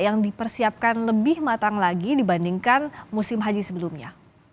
yang dipersiapkan lebih matang lagi dibandingkan musim haji sebelumnya